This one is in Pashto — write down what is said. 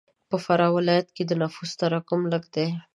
په فراه ولایت کښې د نفوس تراکم لږ دی.